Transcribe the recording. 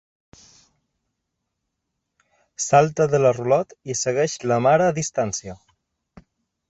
Salta de la rulot i segueix la mare a distància.